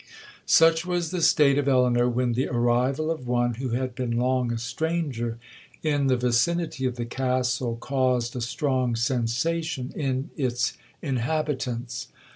'Such was the state of Elinor, when the arrival of one who had been long a stranger in the vicinity of the Castle caused a strong sensation in its inhabitants.